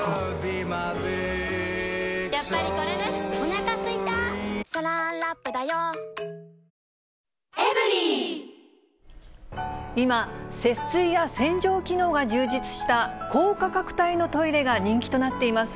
高価格帯のトイレ、今、節水や洗浄機能が充実した高価格帯のトイレが人気となっています。